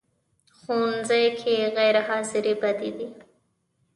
ښوونځی کې غیر حاضرې بدې دي